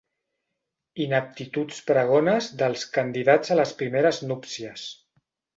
Ineptituds pregones dels candidats a les primeres núpcies.